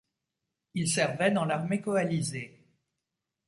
Il servait dans l'armée coalisée.